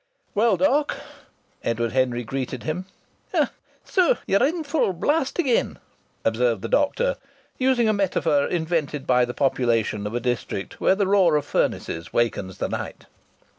"Well, doc.!" Edward Henry greeted him. "So you're in full blast again!" observed the doctor, using a metaphor invented by the population of a district where the roar of furnaces wakens the night.